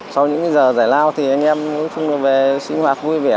sau những giờ giải lao thì anh em cũng không được về sinh hoạt vui vẻ